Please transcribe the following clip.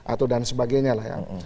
atau dan sebagainya lah ya